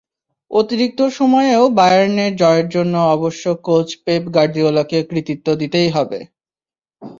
অতিরিক্ত সময়েও বায়ার্নের জয়ের জন্য অবশ্য কোচ পেপ গার্দিওলাকে কৃতিত্ব দিতেই হবে।